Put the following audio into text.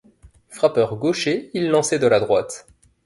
Frappeur gaucher, il lançait de la droite.